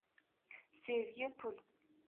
Sevgi – pul